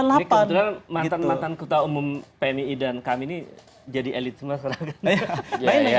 ini kebetulan mantan mantan kota umum pmi dan kami ini jadi elit semua sekarang kan